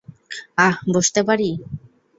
আহ, বসতে পারি?